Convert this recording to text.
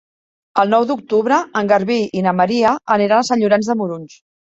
El nou d'octubre en Garbí i na Maria aniran a Sant Llorenç de Morunys.